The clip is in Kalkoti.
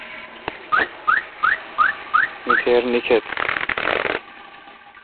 می تیر نیکیتھ۔